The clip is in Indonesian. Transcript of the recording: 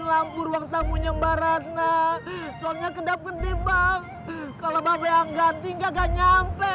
lampu ruang tamu nyembaran nah soalnya kedap gede bang kalau mbak yang ganti nggak nyampe